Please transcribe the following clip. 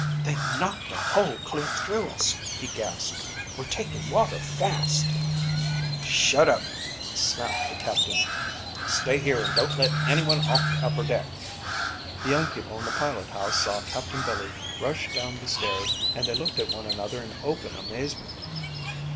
"They knocked a hole clear through us," he gasped. "We're taking water fast." "Shut up," snapped the captain. "Stay here and don't let anyone off the upper deck." The young people in the pilot house saw Captain Billy rush down the stairs and they looked at one another in open amazement.